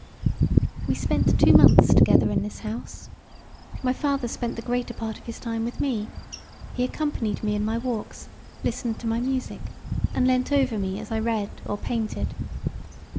We spent two months together in this house. My father spent the greater part of his time with me; he accompanied me in my walks, listened to my music, and leant over me as I read or painted.